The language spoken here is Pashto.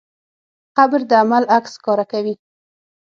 قبر د عمل عکس ښکاره کوي.